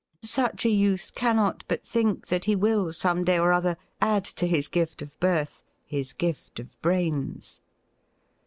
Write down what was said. Such a youth cannot but think that he will some day or other add to his gift of birth his gift of brains.